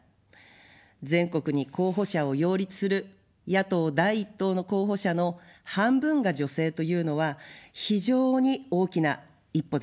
全国に候補者を擁立する野党第１党の候補者の半分が女性というのは非常に大きな一歩です。